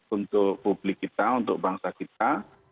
untuk publik kita untuk bangsa kita